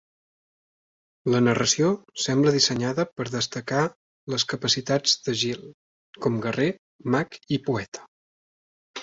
La narració sembla dissenyada per destacar les capacitats de Egill com guerrer, mag i poeta.